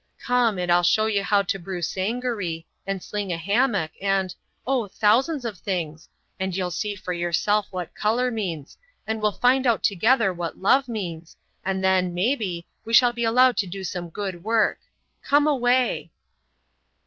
Come, and I'll show you how to brew sangaree, and sling a hammock, and—oh, thousands of things, and you'll see for yourself what colour means, and we'll find out together what love means, and then, maybe, we shall be allowed to do some good work. Come away!"